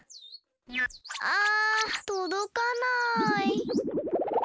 ああとどかない！